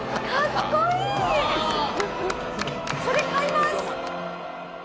それ買います！